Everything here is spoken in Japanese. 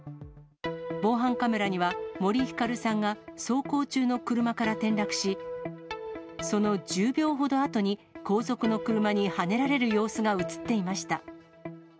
防犯カメラには、森ひかるさんが走行中の車から転落し、その１０秒ほどあとに後続の車にはねられる様子が写っていました。